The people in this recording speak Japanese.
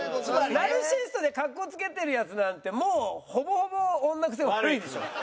ナルシストでカッコつけてるヤツなんてもうほぼほぼ女グセ悪いでしょ。